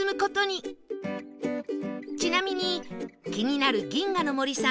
ちなみに気になる銀河の森さん